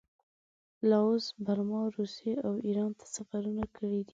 لاوس، برما، روسیې او ایران ته سفرونه کړي دي.